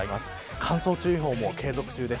乾燥注意報も継続中です。